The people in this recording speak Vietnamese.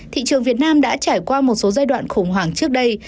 thị trường việt nam đã trải qua một số giai đoạn khủng hoảng trước đây